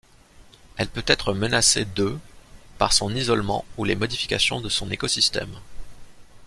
Elle peut être menacée de par son isolement ou les modifications de son écosystème.